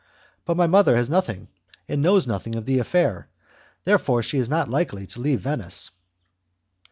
But my mother has nothing and knows nothing of the affair, therefore she is not likely to leave Venice."